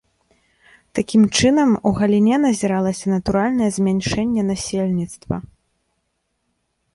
Такім чынам, у галіне назіралася натуральнае змяншэнне насельніцтва.